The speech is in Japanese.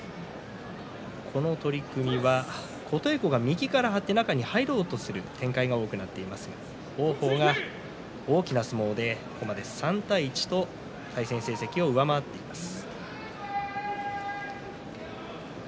この取組は琴恵光が右から張って中に入ろうとする展開が多くなっていますが王鵬が大きな相撲で、ここまで３対１対戦成績を上回っています。